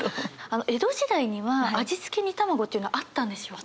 江戸時代には味付け煮卵というのはあったんでしょうか？